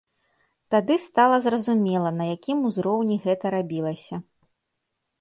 Тады стала зразумела, на якім узроўні гэта рабілася.